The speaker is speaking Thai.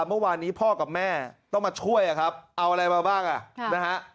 เมื่อวานนี้พ่อกับแม่ต้องมาช่วยอะครับเอาอะไรมาบ้างอ่ะนะฮะ